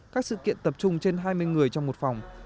các sự kiện tập trung trên hai mươi người trong một phòng